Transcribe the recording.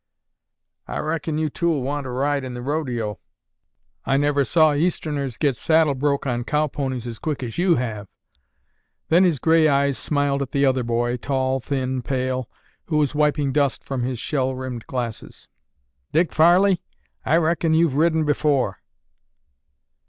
"I reckon you two'll want to ride in the rodeo. I never saw Easterners get saddle broke on cow ponies as quick as you have." Then his gray eyes smiled at the other boy, tall, thin, pale, who was wiping dust from his shell rimmed glasses. "Dick Farley, I reckon you've ridden before."